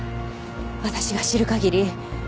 私が知る限り。